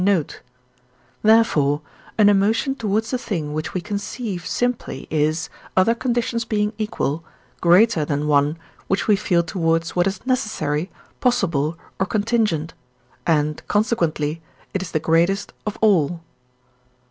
note); therefore, an emotion towards a thing which we conceive simply is, other conditions being equal, greater than one, which we feel towards what is necessary, possible, or contingent, and, consequently, it is the greatest of all.